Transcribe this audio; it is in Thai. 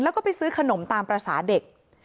แล้วก็ไปซื้อขนมตามภาษาเด็ก